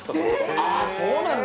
ああそうなんだ。